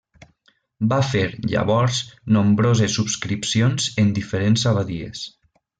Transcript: Va fer llavors nombroses subscripcions en diferents abadies.